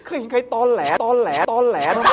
ทำให้คนตื่นก่อน